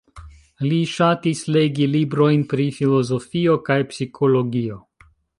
Li ŝatis legi librojn pri filozofio kaj psikologio.